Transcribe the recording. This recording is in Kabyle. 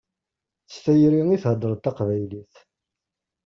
S tayri i theddṛeḍ taqbaylit.